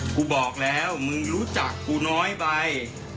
กูบอกแล้วมึงรู้จักกูน้อยไป